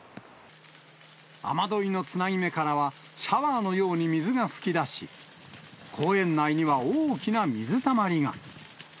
雨どいのつなぎ目からは、シャワーのように水が噴き出し、公園内には大きな水たまりが。